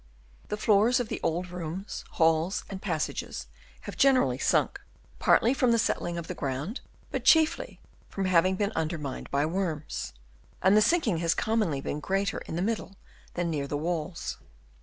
The floors of the old rooms, halls and passages have generally sunk, partly from the settling of the ground, but chiefly from having been undermined by worms; and the sinking has commonly been greater in the middle than near the walls.